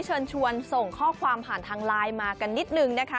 เชิญชวนส่งข้อความผ่านทางไลน์มากันนิดนึงนะคะ